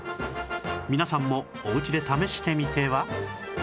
皆さんもおうちで試してみては？